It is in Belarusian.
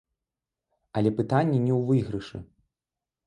Але пытанне не ў выйгрышы.